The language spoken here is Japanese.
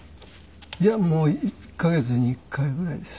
いや１カ月に１回ぐらいです。